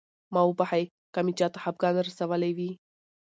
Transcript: ما وبښئ که مې چاته خفګان رسولی وي.